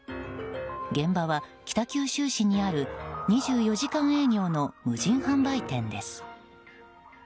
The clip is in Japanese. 現場は北九州市にある２４時間営業の無人販売店です。